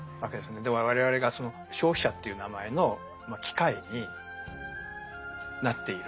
我々がその「消費者」という名前の機械になっている。